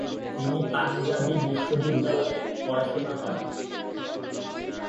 তিনি পাঞ্জাবী বিশ্ববিদ্যালয়ে পড়াশোনা করেন।